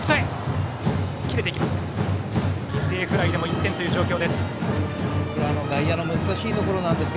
犠牲フライでも１点という状況です。